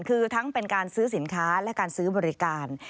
คือทั้งเป็นการซื้อสินค้าและการซื้อบริการ